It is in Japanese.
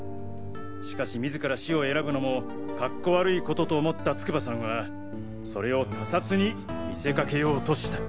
しかし自ら死を選ぶのもカッコ悪いことと思った筑波さんはそれを他殺に見せかけようとした。